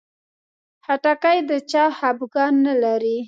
خټکی د چا خفګان نه لري.